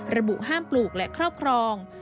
ระบุห้ามปลูกและครอบครอง